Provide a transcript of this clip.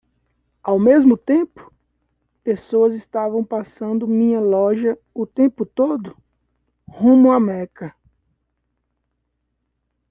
Ao mesmo tempo? pessoas estavam passando minha loja o tempo todo? rumo a Meca.